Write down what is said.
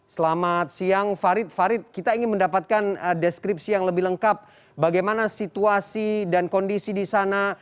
selamat siang farid farid kita ingin mendapatkan deskripsi yang lebih lengkap bagaimana situasi dan kondisi di sana